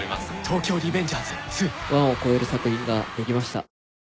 「１を超える作品ができました」